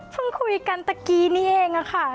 คุยกันตะกี้นี่เองค่ะ